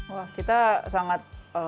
wah kita sangat